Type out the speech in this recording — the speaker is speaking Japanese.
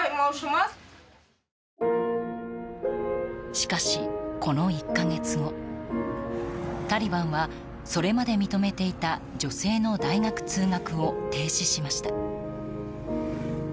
しかし、この１か月後タリバンはそれまで認めていた女性の大学通学を停止しました。